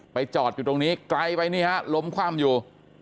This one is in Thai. จอดอยู่ตรงนี้ไกลไปนี่ฮะล้มคว่ำอยู่